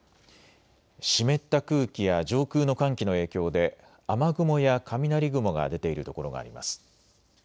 湿った空気や上空の寒気の影響で雨雲や雷雲が出ている所があります。